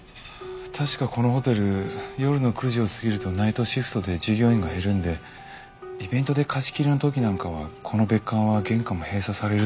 確かこのホテル夜の９時を過ぎるとナイトシフトで従業員が減るんでイベントで貸し切りの時なんかはこの別館は玄関も閉鎖されるって聞いた事が。